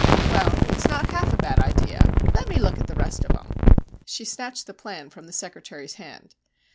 "Well, it's not half a bad idea. Let me look at the rest of 'em." She snatched the plan from the secretary's hand.